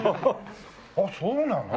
あっそうなの？